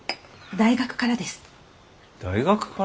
大学から？